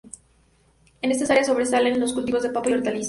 En estas áreas sobresalen los cultivos de papa, y hortalizas.